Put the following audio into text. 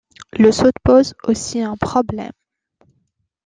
Le saut de pose aussi un problème.